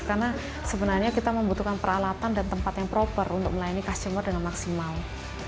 karena sebenarnya kita membutuhkan peralatan dan tempat yang proper untuk melayani customer dengan maksimal